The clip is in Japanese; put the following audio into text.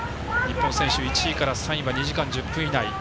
日本選手、１位から３位までは２時間１０分以内。